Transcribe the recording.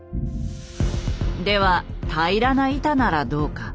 では平らな板ならどうか？